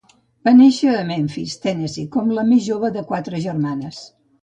Va néixer a Memphis, Tennessee, com la més jove de quatre germanes.